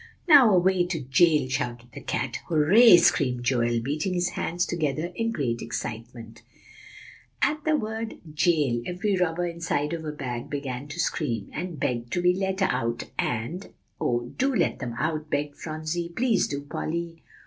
"'Now away to jail!' shouted the cat." "Hooray!" screamed Joel, beating his hands together in great excitement. "At the word 'jail,' every robber inside of a bag began to scream, and beg to be let out, and" "Oh, do let them out!" begged Phronsie. "Please do, Polly."